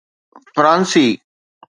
فرانسي